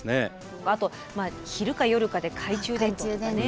あと昼か夜かで懐中電灯とかね。